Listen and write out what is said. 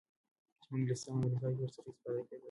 چی په انګلستان او امریکا کی ورڅخه اسفتاده کیدل